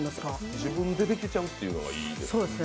自分でできちゃうのがいいですね。